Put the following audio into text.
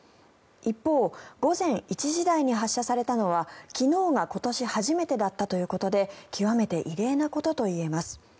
一方、午前１時台に発射されたのは昨日が今年初めてだったということで極めて異例なことといえます。